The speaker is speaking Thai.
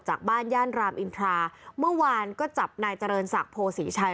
บ้านย่านรามอินทราเมื่อวานก็จับนายเจริญศักดิ์โพศรีชัย